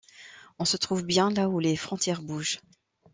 On se trouve bien là où les frontières bougent.